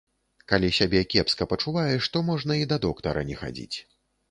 Калі сябе кепска пачуваеш, то можна і да доктара не хадзіць.